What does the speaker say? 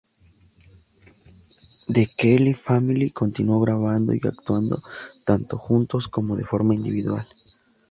The Kelly Family continuó grabando y actuando, tanto juntos como de forma individual.